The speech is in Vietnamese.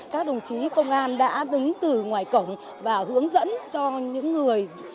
các đồng chí công an đã đứng từ ngoài cổng và hướng dẫn cho những người